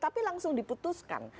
tapi langsung diputuskan